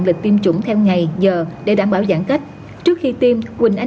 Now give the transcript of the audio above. lịch tiêm chủng theo ngày giờ để đảm bảo giãn cách trước khi tiêm quỳnh anh